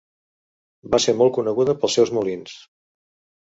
Va ser molt coneguda pels seus molins.